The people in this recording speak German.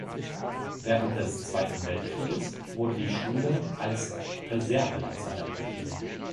Während des Zweiten Weltkrieges wurde die Schule als Reservelazarett betrieben.